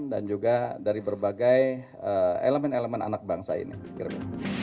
dan juga dari berbagai elemen elemen anak bangsa ini